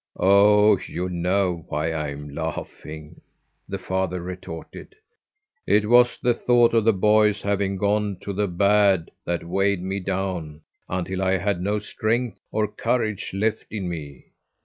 "Oh, you know why I'm laughing," the father retorted. "It was the thought of the boy's having gone to the bad that weighed me down until I had no strength or courage left in me.